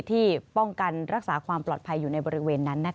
ที่ป้องกันรักษาความปลอดภัยอยู่ในบริเวณนั้น